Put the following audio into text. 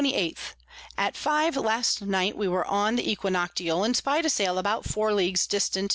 _ At five last night we were on the Equinoctial, and spy'd a Sail about 4 Leagues dist.